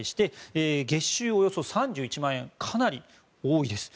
およそ３１万円かなり多いです。